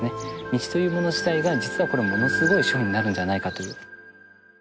道というもの自体が実はこれものすごい資本になるんじゃないかという。